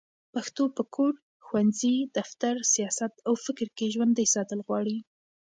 پښتو په کور، ښوونځي، دفتر، سیاست او فکر کې ژوندي ساتل غواړي